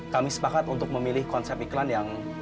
kami sepakat untuk memilih konsep iklan dari tim pak andre